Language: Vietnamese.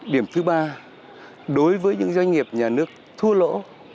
điểm thứ ba đối với những doanh nghiệp nhà nước thua lỗ